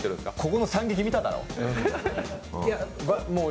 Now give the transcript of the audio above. ここの惨劇、見ただろう。